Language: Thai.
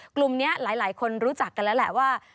กลุ่มนี้หลายคนรู้จักกันแล้วแหละว่า